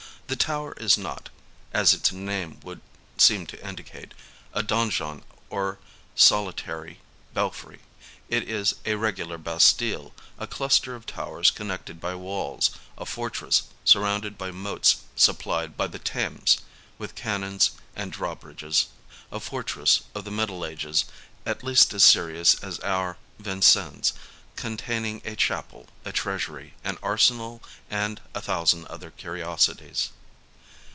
The Tower is not, as its name would seem to indicate, a donjon or solitary belfry ; it is a regular bastille, a cluster of towers connected by walls, a fortress surrounded by moats supplied by the Thames, with cannons and drawbridges ; a fortress of the Middle Ages, at least as serious as our Vincennes, contain ing a chapel, a treasury, an arsenal and a thousand other curiosities.